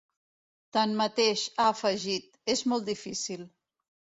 Tanmateix, ha afegit: És molt difícil.